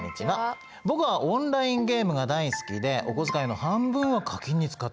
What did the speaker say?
「僕はオンラインゲームが大好きでお小遣いの半分は課金に使ってます」。